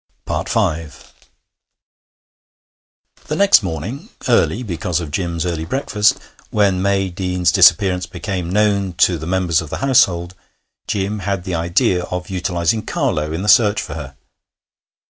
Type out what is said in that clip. V The next morning early, because of Jim's early breakfast when May Deane's disappearance became known to the members of the household, Jim had the idea of utilizing Carlo in the search for her.